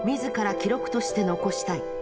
記録として残したい。